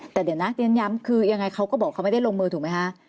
แต่เดี๋ยวนะเรียนย้ำคือยังไงเขาก็บอกเขาไม่ได้ลงมือถูกไหมคะ